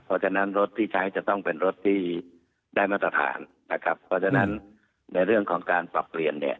เพราะฉะนั้นรถที่ใช้จะต้องเป็นรถที่ได้มาตรฐานนะครับเพราะฉะนั้นในเรื่องของการปรับเปลี่ยนเนี่ย